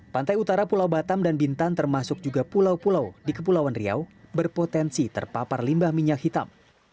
pantai utara pulau batam dan bintan termasuk juga pulau pulau di kepulauan riau berpotensi terpapar limbah minyak hitam